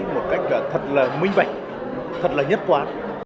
một cách thật là minh bạch thật là nhất quán